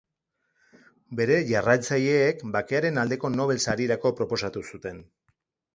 Bere jarraitzaileek Bakearen aldeko Nobel Sarirako proposatu zuten.